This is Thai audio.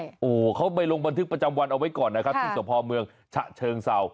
โอ้โหเขาไปลงบันทึกประจำวันเอาไว้ก่อนนะครับที่สพเมืองฉะเชิงเศร้า